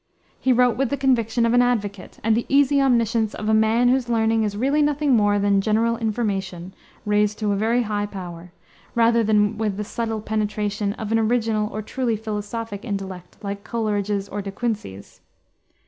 He wrote with the conviction of an advocate, and the easy omniscience of a man whose learning is really nothing more than "general information," raised to a very high power, rather than with the subtle penetration of an original or truly philosophic intellect, like Coleridge's or De Quincey's.